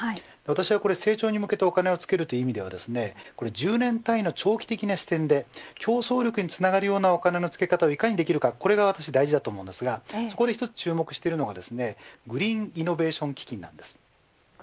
これは成長に向けてお金をつけるという意味では１０年単位の長期的な視点で競争力につながるような付け方を１回にできるかこれが大事だと思いますがそこで注目したいのがグリーンイノベーション基金です。